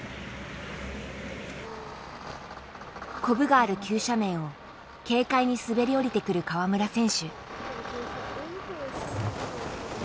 コブがある急斜面を軽快に滑り降りてくる川村選手。